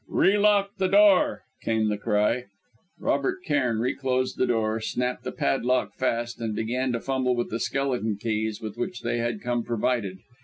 "Relock the door!" came the cry. Robert Cairn reclosed the door, snapped the padlock fast, and began to fumble with the skeleton keys with which they had come provided.